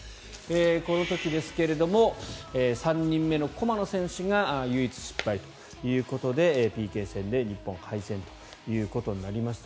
この時ですが３人目の駒野選手が唯一失敗ということで、ＰＫ戦で日本は敗戦となりました。